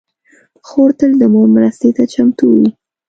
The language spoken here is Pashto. خور تل د مور مرستې ته چمتو وي.